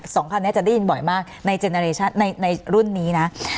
สองคันแหละจะได้ยินบ่อยมากในรุ่นนี้นะ